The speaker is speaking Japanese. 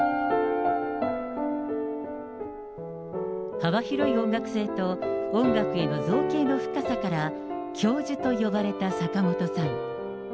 幅広い音楽性と音楽への造詣の深さから、教授と呼ばれた坂本さん。